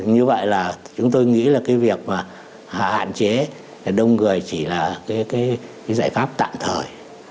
như vậy là chúng tôi nghĩ là cái việc mà hạn chế đông người chỉ là cái giải pháp tạm thời